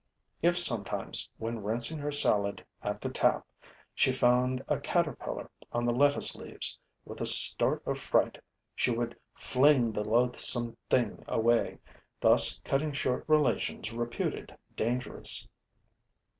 If sometimes, when rinsing her salad at the tap, she found a caterpillar on the lettuce leaves, with a start of fright she would fling the loathsome thing away, thus cutting short relations reputed dangerous.